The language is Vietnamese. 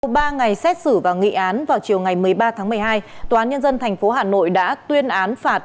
sau ba ngày xét xử và nghị án vào chiều ngày một mươi ba tháng một mươi hai tòa án nhân dân tp hà nội đã tuyên án phạt